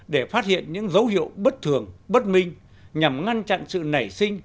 để phát hiện những dấu hiệu bất thường bất minh nhằm ngăn chặn sự nảy sinh